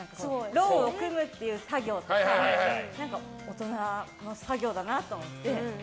ローンを組むっていう作業とか大人の作業だなと思って。